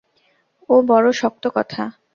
ও বড়ো শক্ত কথা।